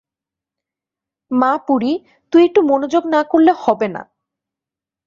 মা পুরি, তুই একটু মনোযোগ না করলে হবে না।